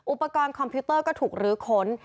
อุปกรณ์คอมพิวเตอร์ก็ถูกลื้อขน